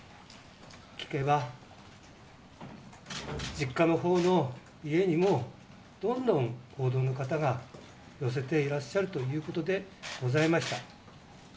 聞けば、実家の方の家にもどんどん報道の方が寄せていらっしゃるということでございました。